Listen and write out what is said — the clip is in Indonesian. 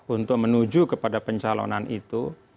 untuk menuju kepada pencalonan itu